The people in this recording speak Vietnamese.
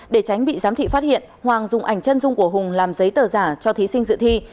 để tránh bị giám thị phát hiện hoàng dùng ảnh chân dung của hùng làm giấy tờ giả cho thí sinh dự thi